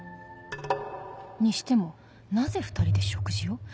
にしてもなぜ２人で食事を？